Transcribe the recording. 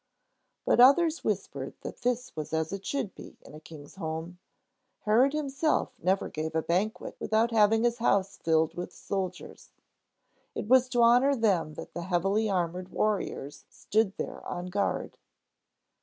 But others whispered that this was as it should be in a King's home. Herod himself never gave a banquet without having his house filled with soldiers. It was to honor them that the heavily armored warriors stood there on guard.